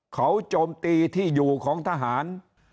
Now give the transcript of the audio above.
เขาโจมตีที่อยู่ของทหาร